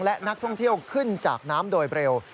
และนักท่องเที่ยวขึ้นจากน้ำโดยเร็ว